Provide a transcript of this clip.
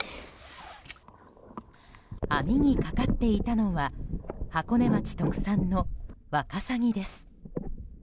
網にかかっていたのは箱根町特産のワカサギです。